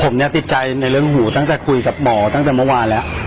ผมเนี่ยติดใจในเรื่องหูตั้งแต่คุยกับหมอตั้งแต่เมื่อวานแล้ว